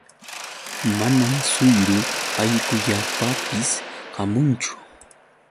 Manam suyru allqullaapapis kamanchu.